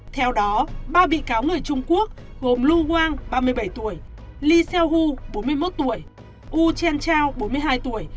theo đó ba bị cáo người trung quốc gồm lu wang ba mươi bảy tuổi li xiao hu bốn mươi một tuổi wu chen chao bốn mươi hai tuổi